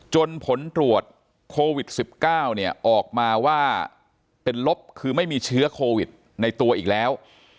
ผลตรวจโควิด๑๙เนี่ยออกมาว่าเป็นลบคือไม่มีเชื้อโควิดในตัวอีกแล้ว